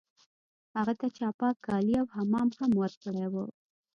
هغه ته چا پاک کالي او حمام هم ورکړی و